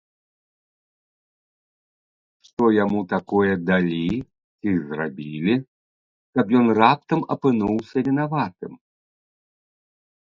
Што яму такое далі ці зрабілі, каб ён раптам апынуўся вінаватым?